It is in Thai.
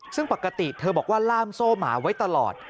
ซึ่งปกติเธอบอกว่าล่ามโซ่หมาไว้ตลอด